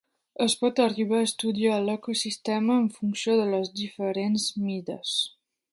Es pot arribar a estudiar l'ecosistema en funció de les diferents mides.